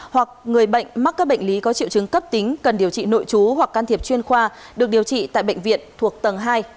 hoặc người bệnh mắc các bệnh lý có triệu chứng cấp tính cần điều trị nội chú hoặc can thiệp chuyên khoa được điều trị tại bệnh viện thuộc tầng hai